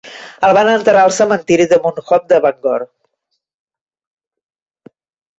El van enterrar al cementiri de Mount Hope de Bangor.